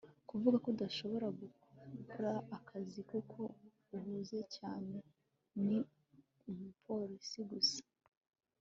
kuvuga ko udashobora gukora akazi kuko uhuze cyane ni umupolisi gusa